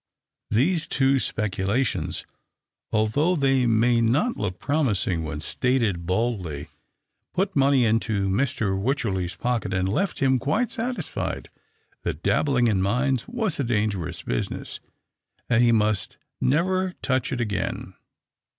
These two speculations, although they may not look THE OCTAVE OF CLAUDIUS. 185 promising when stated baldly, put money into Mr. Wycherley's pocket, and left liim quite satisfied that dabbling in mines was a dangerous business, and he must never touch it again.